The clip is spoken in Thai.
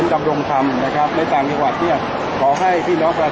ในส่วนของต่างจังหวัดนะครับการเราก็ได้ประสานกับทาง